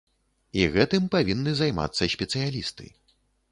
І гэтым павінны займацца спецыялісты.